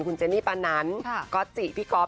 คุณเจนี่ปานันก๊อตจิพี่ก๊อฟ